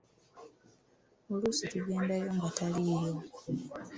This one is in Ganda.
Oluusi tugendayo nga taliiyo.